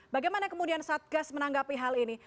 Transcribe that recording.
bagaimana kemudian satgas menanggapi hal ini